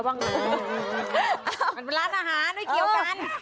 มันเป็นร้านอาหารไม่เกี่ยวกัน